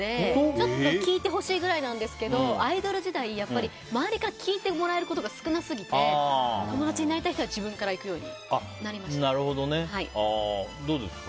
ちょっと聞いてほしいくらいなんですけどアイドル時代、やっぱり周りから聞いてもらえることが少なすぎて友達になりたい人にはどうですか？